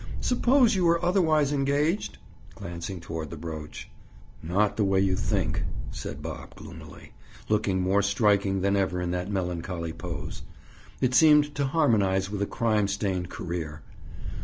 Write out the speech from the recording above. "Suppose you were otherwise engaged?" Glancing toward the brooch. "Not the way you think!" said Bob gloomily, looking more striking than ever in that melancholy pose. It seemed to harmonize with a crime stained career.